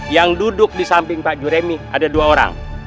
yang duduk disamping pak juremi ada dua orang